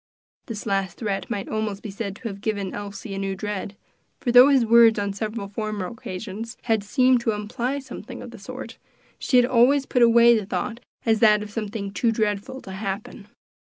This last threat might almost be said to have given Elsie a new dread; for though his words on several former occasions had seemed to imply something of the sort, she had always put away the thought as that of something too dreadful to happen.